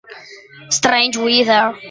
Strange Weather